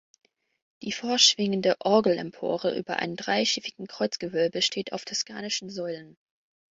Die vorschwingende Orgelempore über einem dreischiffigen Kreuzgewölbe steht auf toskanischen Säulen.